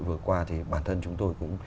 vừa qua thì bản thân chúng tôi cũng